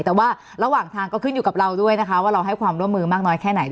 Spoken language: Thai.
แต่ว่าระหว่างทางก็ขึ้นอยู่กับเราด้วยนะคะว่าเราให้ความร่วมมือมากน้อยแค่ไหน